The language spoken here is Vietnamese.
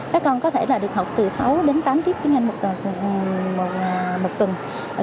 các con có thể được học từ sáu đến tám tiết tiếng anh một tuần